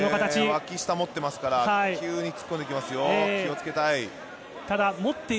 脇下持ってますから、急に突っ込んできますよ、気をつけたい。